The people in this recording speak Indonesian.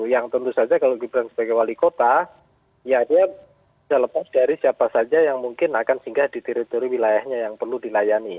yang tentu saja kalau gibran sebagai wali kota ya dia bisa lepas dari siapa saja yang mungkin akan singgah di teritori wilayahnya yang perlu dilayani